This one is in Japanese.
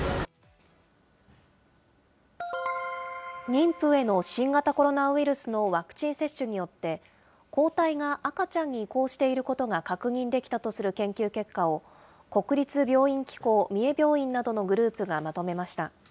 妊婦への新型コロナウイルスのワクチン接種によって、抗体が赤ちゃんに移行していることが確認できたとする研究結果を、国立病院機構三重病院などのグループがまとめました。